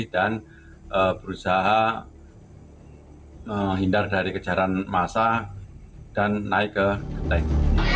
dan berusaha hindar dari kejaran masa dan naik ke genting